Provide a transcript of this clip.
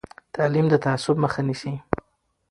تعلیم د تعصب مخه نیسي.